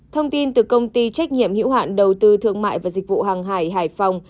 thông tin từ công ty trách nhiệm hữu hạn đầu tư thương mại và dịch vụ hàng hải hải phòng